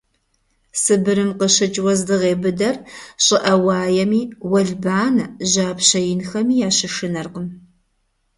Сыбырым къыщыкӀ уэздыгъей быдэр щӀыӀэ уаеми, уэлбанэ, жьапщэ инхэми ящышынэркъым.